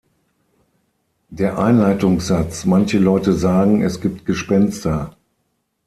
Der Einleitungssatz „Manche Leute sagen, es gibt Gespenster.